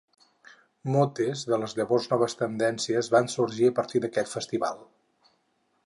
Motes de les llavors noves tendències van sorgir a partir d'aquest festival.